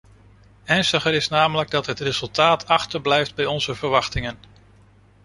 Ernstiger is namelijk dat het resultaat achterblijft bij onze verwachtingen.